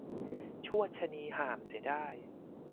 ชวดชะนีห่ามเสียได้